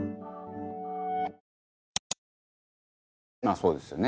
まぁそうですよね。